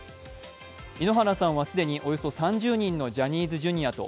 井ノ原さんは既に３０人のジャニーズＪｒ．と